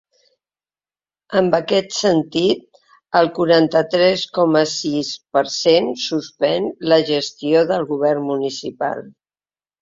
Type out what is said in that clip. En aquest sentit, el quaranta-tres coma sis per cent suspèn la gestió del govern municipal.